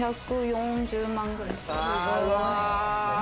２４０万くらい。